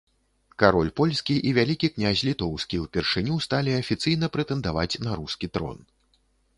Кароль польскі і вялікі князь літоўскі ўпершыню сталі афіцыйна прэтэндаваць на рускі трон.